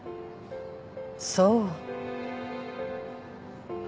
そう。